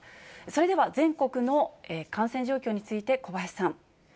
それでは全国の感染状況について、小林さん。